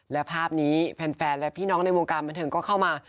และภาพนี้แฟนและพี่น้องในวงการบันเทิงก็เข้ามา